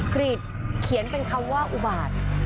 กรีดเขียนเป็นคำว่าอุบาต